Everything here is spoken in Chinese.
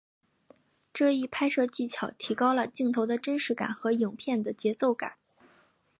这一拍摄技巧提高了镜头的真实性和影片的节奏感。